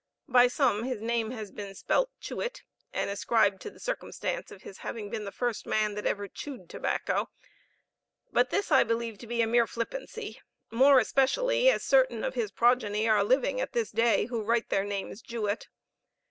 By some his name has been spelt Chewit, and ascribed to the circumstance of his having been the first man that ever chewed tobacco; but this I believe to be a mere flippancy; more especially as certain of his progeny are living at this day, who write their names Juet.